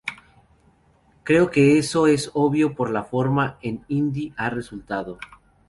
Creo que eso es obvio por la forma en Indy ha resultado.